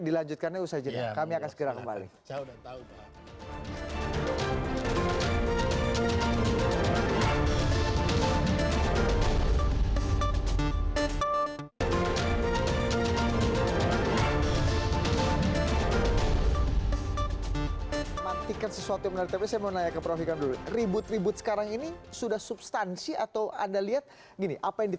dilanjutkannya usai jika